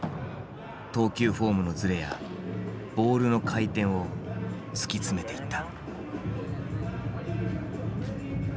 投球フォームのずれやボールの回転を突き詰めていった。